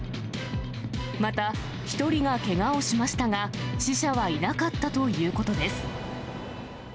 また、１人がけがをしましたが、死者はいなかったということです。